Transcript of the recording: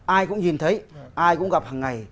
ai cũng nhìn thấy ai cũng gặp hằng ngày